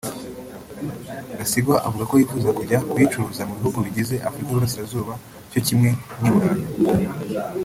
Gasigwa avuga ko yifuza kujya kuyicuruza mu bihugu bigize Afurika y’Uburasirazuba cyo kimwe n’i Burayi